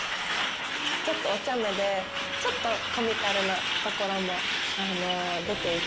ちょっとおちゃめでちょっとコミカルなところも出ていたのがすごい好きでしたね。